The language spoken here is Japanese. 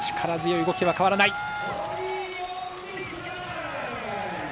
力強い動きは変わらない。